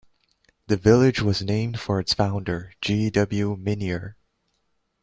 The village was named for its founder, G. W. Minier.